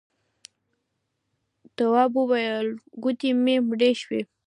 تواب وويل: گوتې مې مړې شوې.